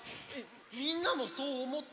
みんなもそうおもった？